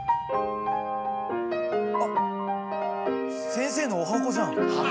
あっ先生のおはこじゃん。